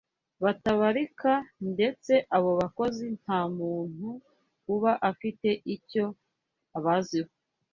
batabarikandetse abo bakozi nta n’umuntu uba afite icyo abaziho